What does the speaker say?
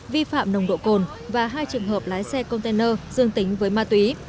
vi phạm nồng độ cồn và hai trường hợp lái xe container dương tính với ma túy